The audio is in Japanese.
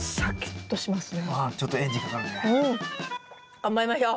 頑張りましょう。